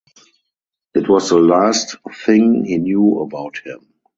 It was the last thing he knew about him.